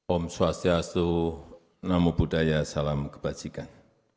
om swastiastu namo buddhaya salam kebajikan